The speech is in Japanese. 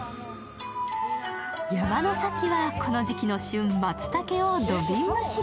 山の幸はこの時期の旬、まつたけを土瓶蒸しで。